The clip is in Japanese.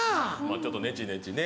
ちょっとねちねちね。